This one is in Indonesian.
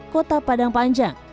kota padang panjang